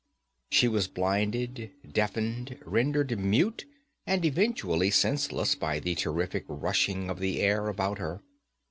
She was blinded, deafened, rendered mute and eventually senseless by the terrific rushing of the air about her.